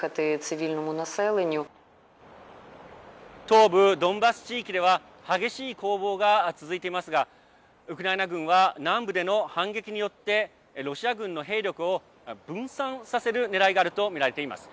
東部ドンバス地域では激しい攻防が続いていますがウクライナ軍は南部での反撃によってロシア軍の兵力を分散させるねらいがあると見られています。